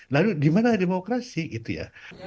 lalu di mana demokrasi gitu ya